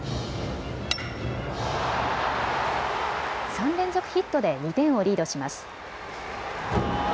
３連続ヒットで２点をリードします。